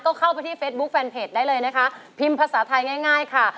ก็เข้าไปที่เฟซบุ๊คแฟนเพจได้เลยนะคะพิมพ์ภาษาไทยง่ายง่ายค่ะ